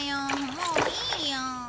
もういいよ。